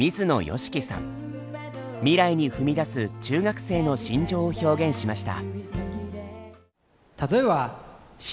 未来に踏み出す中学生の心情を表現しました。